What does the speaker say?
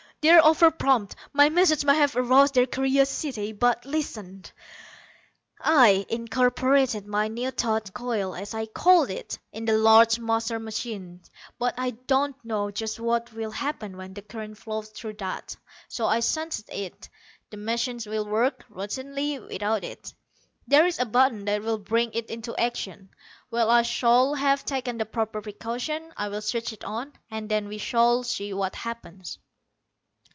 "They're over prompt. My message must have aroused their curiosity. But listen: "I incorporated my new thought coil, as I called it, in the large master machine. But I don't know just what will happen when the current flows through that. So I shunted it. The machine will work, routinely, without it. There is a button that will bring it into action. When I shall have taken the proper precautions I will switch it on, and then we shall see what happens."